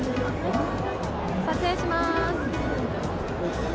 撮影します。